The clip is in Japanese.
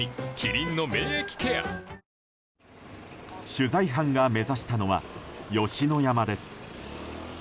取材班が目指したのは吉野山です。